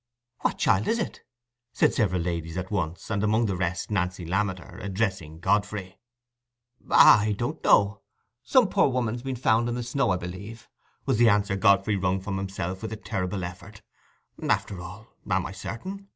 "What child is it?" said several ladies at once, and, among the rest, Nancy Lammeter, addressing Godfrey. "I don't know—some poor woman's who has been found in the snow, I believe," was the answer Godfrey wrung from himself with a terrible effort. ("After all, am I certain?"